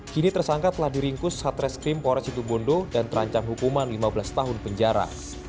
kini tersangka telah diringkus satres krim poresi tumbondo dan terancam hukuman lima belas tahun penjara